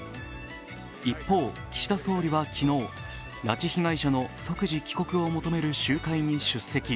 一方、岸田総理は昨日拉致被害者の即事帰国を求める集会に出席。